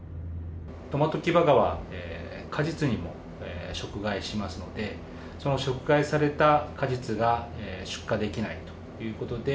トマトキバガは、果実にも食害しますので、その食害された果実が出荷できないということで。